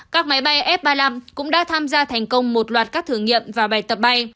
các máy bay f ba mươi năm cũng đã tham gia thành công một loạt các thử nghiệm và bài tập bay